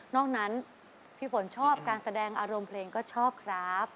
นั้นพี่ฝนชอบการแสดงอารมณ์เพลงก็ชอบครับ